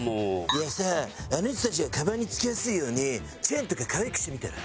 いやさあの人たちがカバンに付けやすいようにチェーンとか可愛くしてみたら？